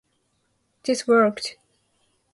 This worked.